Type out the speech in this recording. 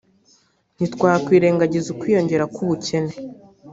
ntitwakwirengagiza ukwiyongera k’ubukene